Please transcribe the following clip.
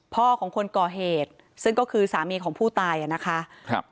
พ่อของคนก่อเหตุซึ่งก็คือสามีของผู้ตายอ่ะนะคะครับ